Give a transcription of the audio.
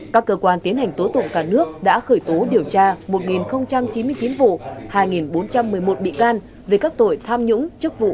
các cơ quan tiến hành tố tụng cả nước đã khởi tố điều tra một chín mươi chín vụ hai bốn trăm một mươi một bị can về các tội tham nhũng